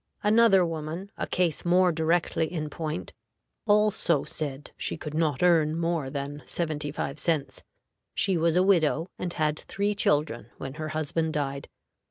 Another woman, a case more directly in point, also said she could not earn more than seventy five cents. She was a widow, and had three children when her husband died.